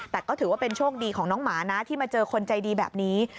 แต่ก็ถือว่าเป็นโชคดีของน้องหมานะที่มาเจอคนใจดีแบบนี้